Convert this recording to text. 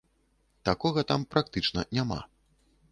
Такога там практычна няма.